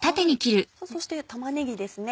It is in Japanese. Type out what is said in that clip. さぁそして玉ねぎですね。